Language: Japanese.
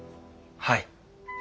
はい。